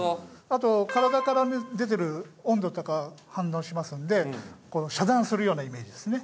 あと体から出てる温度とか反応しますので遮断するようなイメージですね